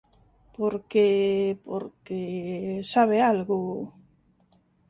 Porque… Porque… sabe algo…